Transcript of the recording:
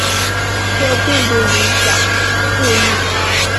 这并不影响字义。